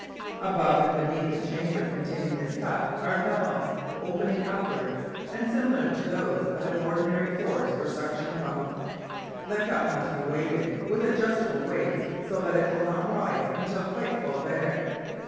Above and beneath the chamber containing this cup are valves opening upwards and similar to those of an ordinary force or suction pump. The cup must be weighted with adjustable weights so that it will not rise until quite full of air.